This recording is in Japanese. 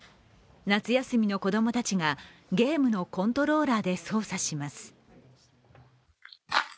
夏休みの子供たちがゲームのコントローラーで操作します。